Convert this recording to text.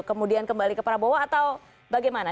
kemudian kembali ke prabowo atau bagaimana